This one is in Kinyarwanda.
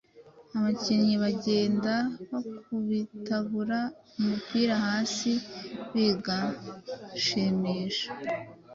Abakinnyi bagenda bakubitagura umupira hasi bigashimisha.